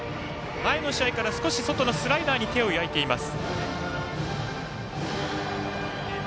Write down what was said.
前の試合から少し外のスライダーに手を焼いています。